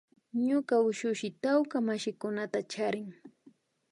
Ñuka ushushi tawka mashikunata charin